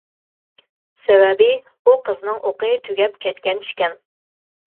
سەۋەبى ئۇ قىزنىڭ ئوقى تۈگەپ كەتكەن ئىكەن.